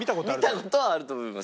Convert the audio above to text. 見た事はあると思います。